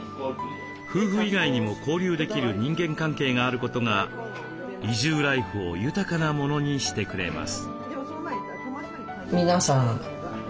夫婦以外にも交流できる人間関係があることが移住ライフを豊かなものにしてくれます。